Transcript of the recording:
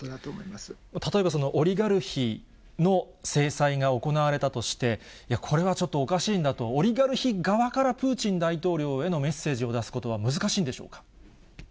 例えば、そのオリガルヒの制裁が行われたとして、これはちょっとおかしいんだと、オリガルヒ側からプーチン大統領へのメッセージを出すことは難しいんでしょうか。